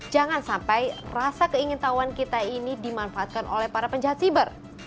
jangan sampai rasa keingin tahuan kita ini dimanfaatkan oleh para penjahat siber